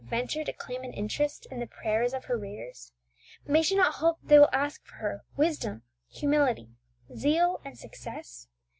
venture to claim an interest in the prayers of her readers? May she not hope that they will ask for her, wisdom, humility, zeal, and success?